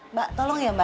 mbak tolong ya mbak